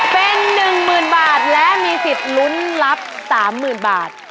เป็น๑๐๐๐บาทและมีสิทธิ์ลุ้นรับ๓๐๐๐บาท